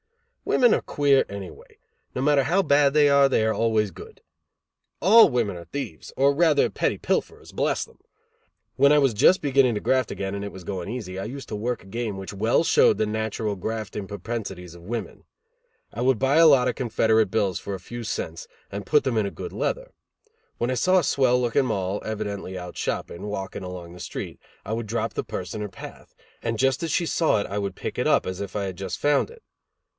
Women are queer, anyway. No matter how bad they are, they are always good. All women are thieves, or rather petty pilferers, bless them! When I was just beginning to graft again, and was going it easy, I used to work a game which well showed the natural grafting propensities of women. I would buy a lot of Confederate bills for a few cents, and put them in a good leather. When I saw a swell looking Moll, evidently out shopping, walking along the street, I would drop the purse in her path; and just as she saw it I would pick it up, as if I had just found it.